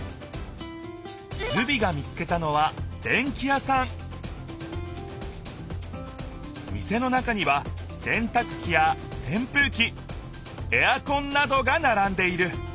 ズビが見つけたのは店の中にはせんたくきやせんぷうきエアコンなどがならんでいる。